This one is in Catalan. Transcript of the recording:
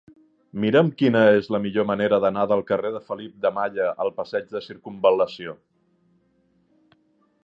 Mira'm quina és la millor manera d'anar del carrer de Felip de Malla al passeig de Circumval·lació.